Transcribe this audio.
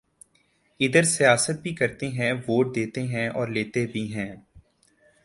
ا دھر سیاست بھی کرتے ہیں ووٹ دیتے ہیں اور لیتے بھی ہیں